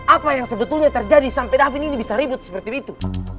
apa yang sebetulnya terjadi sampai davin ini bisa ribut seperti itu